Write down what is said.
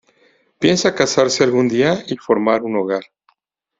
Piensa casarse algún día y formar un hogar.